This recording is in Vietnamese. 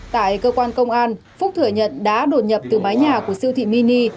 tại cơ quan công an phúc thừa nhận đã đột nhập từ mái nhà của siêu thị mini